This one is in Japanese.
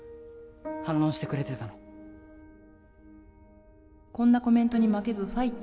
反論してくれてたの「こんなコメントに負けずファイト」